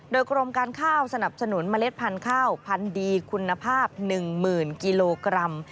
โดยกรมการข้าวสนับสนุนเมล็ดพันธุ์ข้าวพันธุ์ดีคุณภาพ๑๐๐๐กิโลกรัม